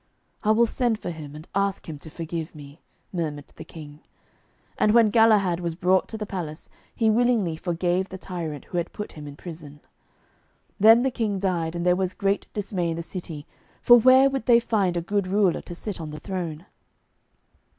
'I will send for him, and ask him to forgive me,' murmured the King. And when Galahad was brought to the palace, he willingly forgave the tyrant who had put him in prison. Then the King died, and there was great dismay in the city, for where would they find a good ruler to sit on the throne?